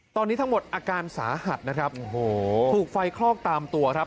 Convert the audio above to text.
ตอนนี้ทั้งหมดอาการสาหัสนะครับโอ้โหถูกไฟคลอกตามตัวครับ